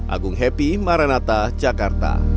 agung happy maranatha jakarta